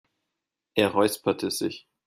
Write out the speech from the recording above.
Er räusperte sich.